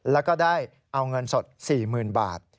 แล้วก็ได้เอาเงินสด๔๐๐๐บาท